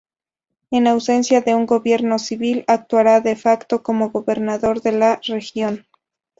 En ausencia de un gobierno civil, actuará "de facto" como gobernador de la región.